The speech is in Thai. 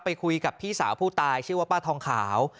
ไปคุยกับพี่สาวผู้ตายชื่อว่าป้าทองขาว